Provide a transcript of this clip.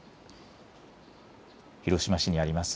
広島市にあります